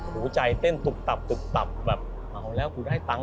หัวใจเต้นตุกตับแบบ